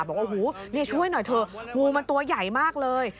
บอกว่าโอ้โหนี่ช่วยหน่อยเถอะงูมันตัวใหญ่มากเลย